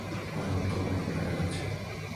দাঁড়াও, তোমাকে তো দেখা যাচ্ছে।